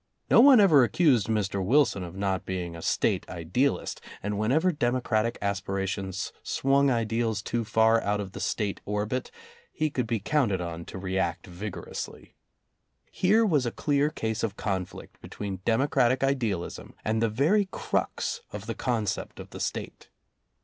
No one ever accused Mr. Wilson of not being a State idealist, and whenever democratic aspira tions swung ideals too far out of the State orbit, he could be counted on to react vigorously. Here was a clear case of conflict between democratic idealism and the very crux of the concept of the State.